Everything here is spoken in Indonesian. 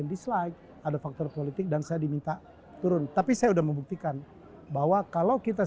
dislike ada faktor politik dan saya diminta turun tapi saya udah membuktikan bahwa kalau kita